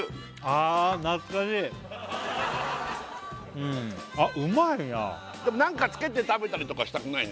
うんあっうまいなでも何かつけて食べたりとかしたくないね